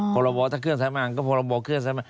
ธรรมบทะเชิงสนามงานก็ธรรมบเชิง